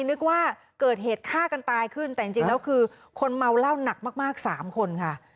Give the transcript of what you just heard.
นึกว่าเกิดเหตุฆ่ากันตายขึ้นแต่จริงแล้วคือคนเมาเหล้าหนักมาก๓คนค่ะ